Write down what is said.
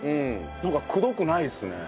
なんかくどくないですね。